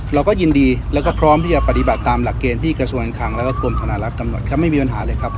เราก็ยินดีแล้วก็พร้อมที่จะปฏิบัติตามหลักเกณฑ์ที่กระทรวงการคลังแล้วก็กรมธนารักษ์กำหนดครับไม่มีปัญหาเลยครับ